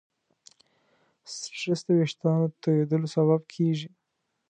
سټرېس د وېښتیانو د تویېدلو سبب کېږي.